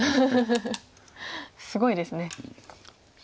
すごいですね。